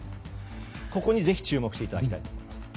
ここにぜひ注目していただきたいと思います。